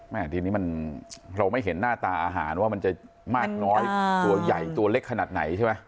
แม่ทีนี้เราไม่เห็นหน้าตาอาหารว่ามันจะมากน้อยตัวใหญ่ตัวเล็กขนาดไหนใช่ไหม